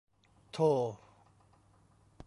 โธ่